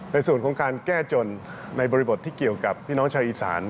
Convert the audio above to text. ในส่วนของการแก้จนในบริบทที่เกี่ยวกับพี่น้องชาวอีสาน